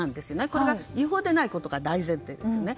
これが違法でないことが大前提なんですね。